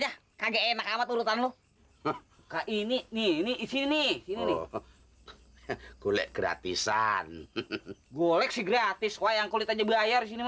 shah kage enak sama turutan lu kak ini nih nih sini sini golek gratisan golek si gratis wayang kulit aja bayar disini mau